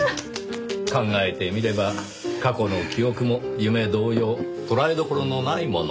考えてみれば過去の記憶も夢同様捉えどころのないもの。